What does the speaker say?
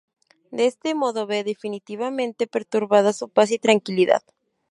De este modo ve definitivamente perturbada su paz y tranquilidad.